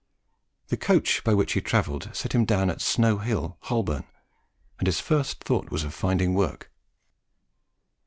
The coach by which he travelled set him down in Snow Hill, Holborn; and his first thought was of finding work.